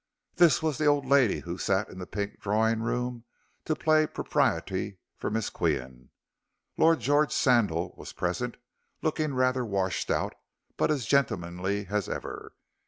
This was the old lady who sat in the pink drawing room to play propriety for Miss Qian. Lord George Sandal was present, looking rather washed out, but as gentlemanly as ever.